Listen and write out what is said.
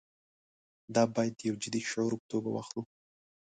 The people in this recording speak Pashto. دا باید د یوه جدي شعور په توګه واخلو.